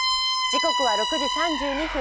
時刻は６時３２分